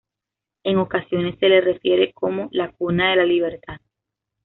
En ocasiones, se le refiere como "la Cuna de la Libertad".